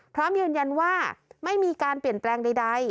พร้อมยืนยันว่าไม่มีการเปลี่ยนแปลงใด